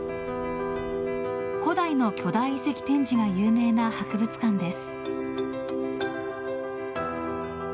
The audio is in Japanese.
古代の巨大遺跡展示が有名な博物館です。